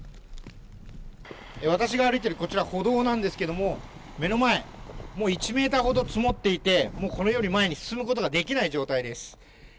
私が歩いてるこちら、歩道なんですけれども、目の前、もう１メーターほど積もっていて、もうこれより前に進むことができない状態です。